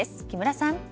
木村さん。